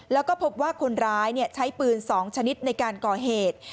แล้วก็พบว่าคนร้ายใช้ปืน๒ชนิดในการก่อเหตุ